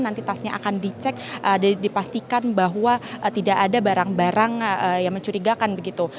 nanti tasnya akan dicek dan dipastikan bahwa tidak ada barang barang yang mencurigakan begitu